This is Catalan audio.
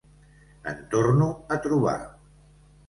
En torno a trobar.